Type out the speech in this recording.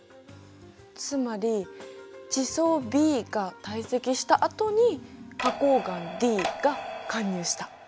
つまり地層Ｂが堆積したあとに花こう岩Ｄが貫入した。